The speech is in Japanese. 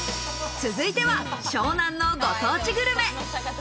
続いては湘南のご当地グルメ。